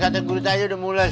cata gurita aja udah mulus